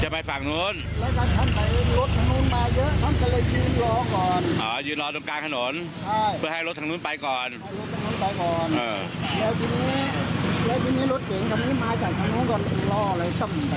พ่อเยี่ยมและโทษแล้วนะครับ